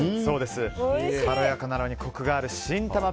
軽やかなのにコクがあるしんたま